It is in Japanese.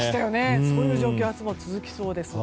そういう状況が明日も続きそうです。